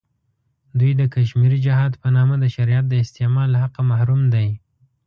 دوی د کشمیري جهاد په نامه د شریعت د استعمال له حقه محروم دی.